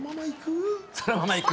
そのままいく？